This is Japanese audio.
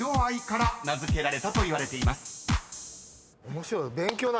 面白い。